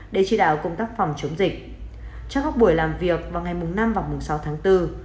để chỉ đạo công tác phòng chống dịch trong các buổi làm việc vào ngày năm và sáu tháng bốn